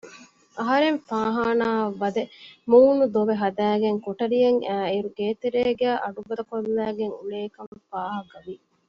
އަހަރެން ފާހާނާއަށްވަދެ މޫނު ދޮވެ ހަދައިގެން ކޮޓަރިއަށް އައިއިރު ގޭތެރޭގައި އަޑުގަދަކޮށްލައިގެން އުޅޭކަން ފާހަގަވި